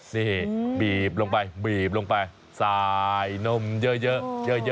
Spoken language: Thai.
นี่บีบลงไปสายนมเยอะ